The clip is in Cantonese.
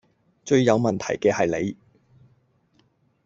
最有問題既係你